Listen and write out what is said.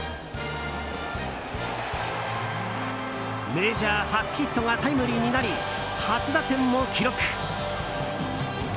メジャー初ヒットがタイムリーになり初打点も記録！